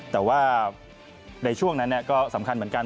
แต่ว่าในช่วงนั้นก็สำคัญเหมือนกัน